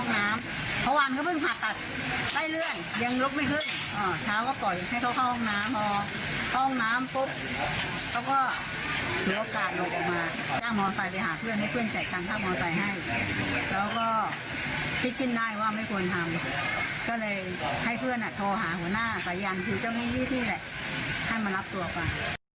แล้วก็คิดกินได้ว่าไม่ควรทำก็เลยให้เพื่อนโทรหาหัวหน้าสายยังที่เจ้ามีพี่เลยให้มารับตัวก่อน